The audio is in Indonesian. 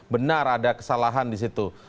benar ada kesalahan disitu